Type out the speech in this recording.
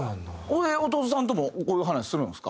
弟さんともこういう話するんですか？